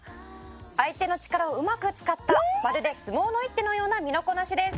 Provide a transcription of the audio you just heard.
「相手の力をうまく使ったまるで相撲の一手のような身のこなしです」